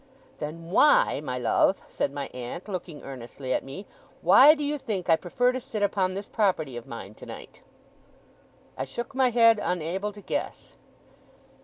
'Then why, my love,' said my aunt, looking earnestly at me, 'why do you think I prefer to sit upon this property of mine tonight?' I shook my head, unable to guess.